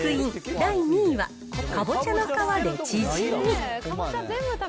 第２位は、かぼちゃの皮でチヂミ。